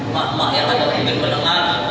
kepada mak mak yang ada di pendengar